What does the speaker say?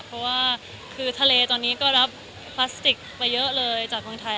เพราะว่าคือทะเลตอนนี้ก็รับพลาสติกไปเยอะเลยจากเมืองไทย